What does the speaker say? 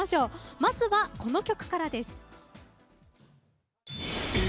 まずはこの曲からです。